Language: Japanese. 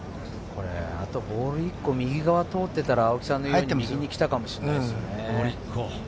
あとボール１個右側を通っていたら、青木さんの言うように、右に来たかもしれないですね。